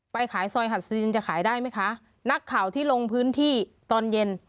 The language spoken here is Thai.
ไปขายซอยหัดซีนจะขายได้ไหมคะนักข่าวที่ลงพื้นที่ตอนเย็น